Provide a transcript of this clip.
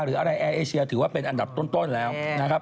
หรืออะไรแอร์เอเชียถือว่าเป็นอันดับต้นแล้วนะครับ